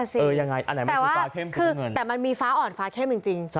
แต่มันมีฟ้าอ่อนฟ้าเข้มจริง